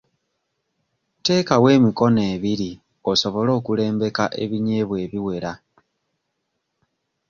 Teekawo emikono ebiri osobole okulembeka ebinyebwa ebiwera.